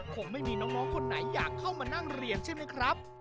คงไม่มีน้องคนไหนอยากเข้ามานั่งเรียนใช่ไหมครับ